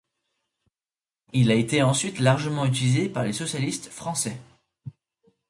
Il a été ensuite largement utilisé par les socialistes français.